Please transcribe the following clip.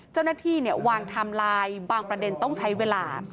เจ้าหน้าที่วางไทม์ไลน์บางประเด็นต้องใช้เวลา